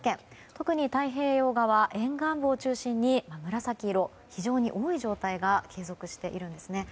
特に太平洋側沿岸部を中心に紫色、非常に多い状態が継続しているんですね。